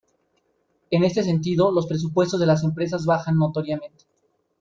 En este sentido, los presupuestos de las empresas bajan notoriamente.